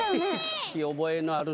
聞き覚えのある。